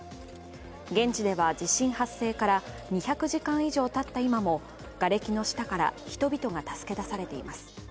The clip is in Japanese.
現地では地震発生から２００時間以上たった今もがれきの下から人々が助け出されています。